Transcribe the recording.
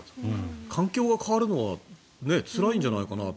環境が変わるのはつらいんじゃないかなって。